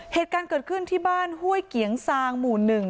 เหตุการณ์เกิดขึ้นที่บ้านห้วยเกียงซางหมู่๑